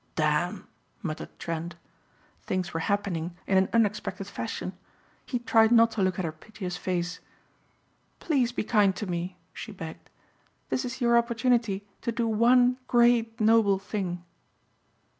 "Damn!" muttered Trent. Things were happening in an unexpected fashion. He tried not to look at her piteous face. "Please be kind to me," she begged, "this is your opportunity to do one great noble thing."